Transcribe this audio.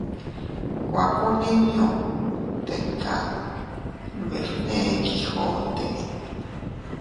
—Kuakunniñu tika —nbefne Quijote—.